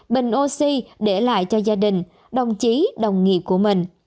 bình o c để lại cho gia đình đồng chí đồng nghiệp của mình